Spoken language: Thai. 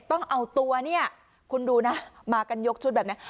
ต้องเอาตัวเนี่ยคุณดูนะมากันยกชุดแบบนั้น